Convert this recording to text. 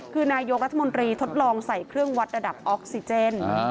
คือนายกรัฐมนตรีทดลองใส่เครื่องวัดระดับออกซิเจน